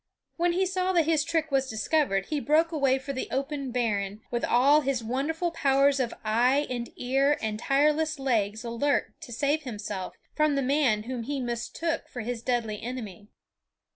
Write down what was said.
When he saw that his trick was discovered he broke away for the open barren, with all his wonderful powers of eye and ear and tireless legs alert to save himself from the man whom he mistook for his deadly enemy.